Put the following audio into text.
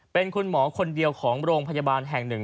เป็นคุณหมอคนเดียวของโรงพยาบาลแห่งหนึ่ง